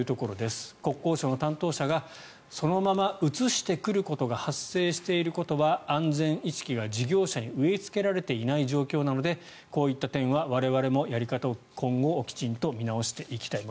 国交省の担当者がそのまま写してくることが発生していることは安全意識が事業者に植えつけられていない状況なのでこういった点は我々もやり方を今後、きちんと見直していきたい。